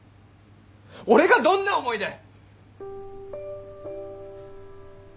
俺がどんな思いで！